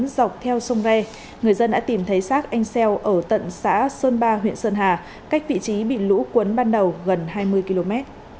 trong lúc vợ và con lội qua sông re người dân đã tìm thấy sát anh xeo ở tận xã sơn ba huyện sơn hà cách vị trí bị lũ cuốn ban đầu gần hai mươi km